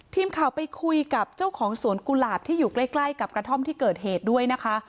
ทีมข่าวไปคุยกับเจ้าของสวนกุหลาบที่อยู่ใกล้กับกระท่อมที่เกิดเหตุด้วยนะคะ